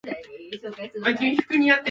出町橋や出雲路橋を渡って川の流れをのぞみ、